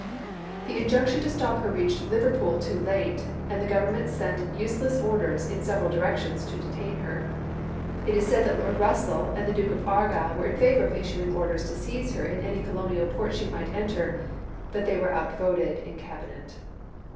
The injunction to stop her reached Liverpool too late, and the Gov ernment sent useless orders in several dii ections to iDid.,p.355. detain her. It is said that Lord Russell and the Duke of Argyll were in favor of issuing orders to seize her in any colonial port she might enter, but they were outvoted in Cabinet.